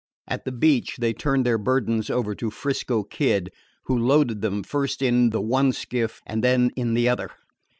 At the beach they turned their burdens over to 'Frisco Kid, who loaded them, first in the one skiff and then in the other.